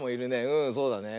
うんそうだね。